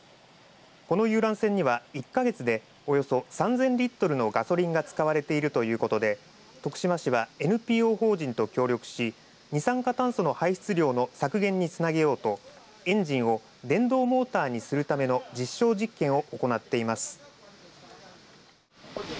この遊覧船には１か月でおよそ３０００リットルのガソリンが使われているということで徳島市はＮＰＯ法人と協力し二酸化炭素の排出量の削減につなげようとエンジンを電動モーターにするための実証実験を行っています。